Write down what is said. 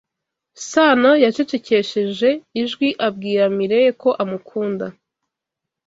Sano yacecekesheje ijwi abwira Mirelle ko amukunda.